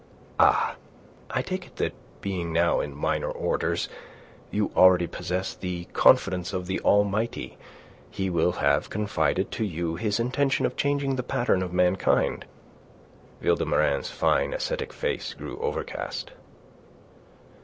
"Ah! I take it that being now in minor orders, you already possess the confidence of the Almighty. He will have confided to you His intention of changing the pattern of mankind." M. de Vilmorin's fine ascetic face grew overcast.